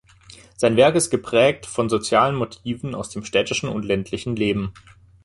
Sein Werk ist geprägt von sozialen Motiven aus dem städtischen und ländlichen Leben.